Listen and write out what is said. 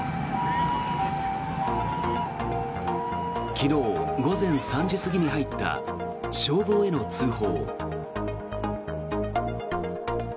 昨日午前３時過ぎに入った消防への通報。